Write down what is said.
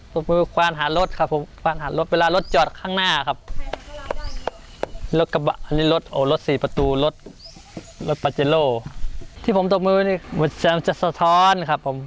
ตบมือควานหารถครับผมควานหารถเวลารถจอดข้างหน้าครับรถกระบะอันนี้รถโอ้รถสี่ประตูรถรถปาเจโลที่ผมตบมือนี่เหมือนแซมจะสะท้อนครับผม